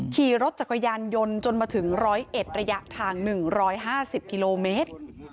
ขี่รถจักรยานยนต์จนมาถึงร้อยเอ็ดระยะทางหนึ่งร้อยห้าสิบกิโลเมตร